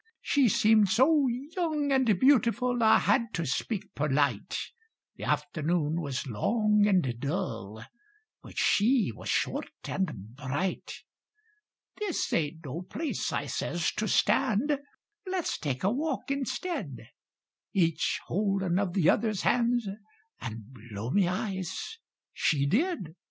She seemed so young and beautiful I had to speak perlite, (The afternoon was long and dull, But she was short and bright). "This ain't no place," I says, "to stand Let's take a walk instid, Each holdin' of the other's hand" And, blow me eyes, she did!